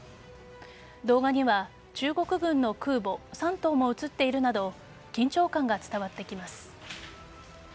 動画には中国軍の空母「山東」も映っているなど緊張感が伝わってきます。